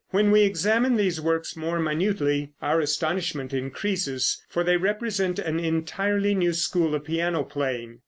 When we examine these works more minutely, our astonishment increases, for they represent an entirely new school of piano playing.